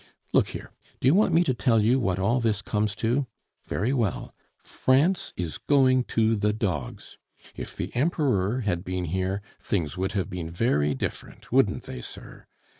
Look here, do you want me to tell you what all this comes to? Very well, France is going to the dogs.... If the Emperor had been here, things would have been very different, wouldn't they, sir?...